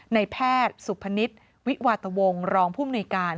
ในแพทย์สุพนิษฐ์วิวาตวงรองผู้มนุยการ